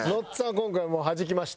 今回はもうはじきました。